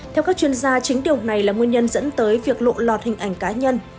theo các chuyên gia chính điều này là nguyên nhân dẫn tới việc lộ lọt hình ảnh cá nhân